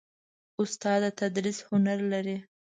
استاد د تدریس هنر لري.